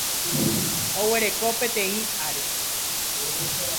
Oguereko pateĩ ary.